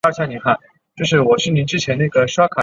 诺伊格尔恩斯多夫是德国图林根州的一个市镇。